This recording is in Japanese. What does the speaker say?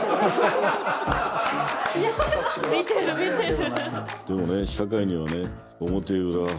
見てる見てる。